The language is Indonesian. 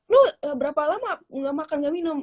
lu berapa lama nggak makan gak minum